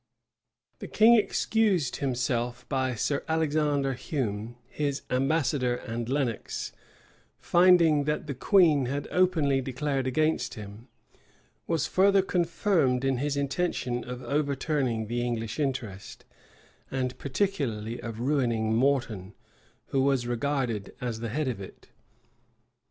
The king excused himself by Sir Alexander Hume, his ambassador; and Lenox, finding that the queen had openly declared against him, was further confirmed in his intention of overturning the English interest, and particularly of ruining Morton, who was regarded as the head of it.